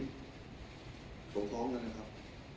ผมท้องนะครับ